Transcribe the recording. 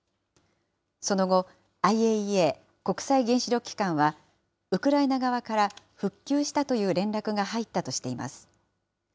その後、ＩＡＥＡ・国際原子力機関は、ウクライナ側から復旧したという連絡が入ったとしています。